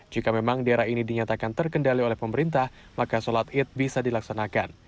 jika memang daerah ini dinyatakan terkendali oleh pemerintah maka sholat id bisa dilaksanakan